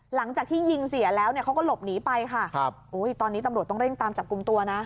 หลังจากที่ยิงเสียแล้วเนี่ยเขาก็หลบหนีไปค่ะครับอุ้ยตอนนี้ตำรวจต้องเร่งตามจับกลุ่มตัวนะ